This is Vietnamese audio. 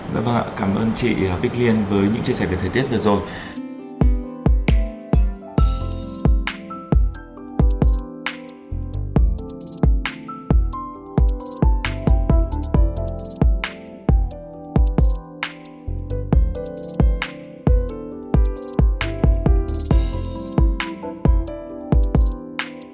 dạ vâng ạ cảm ơn chị bích liên với những chia sẻ về thời tiết vừa rồi